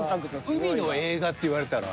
海の映画って言われたら。